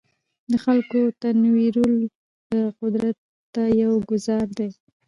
د خلکو تنویرول د قدرت ته یو ګوزار دی.